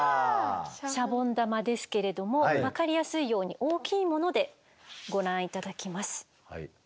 シャボン玉ですけれども分かりやすいように大きいものでご覧頂きます。